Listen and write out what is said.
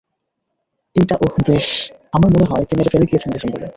এইটা ওহ বেশ, আমার মনে হয় তিনি এটা ফেলে গিয়েছেন ডিসেম্বরে?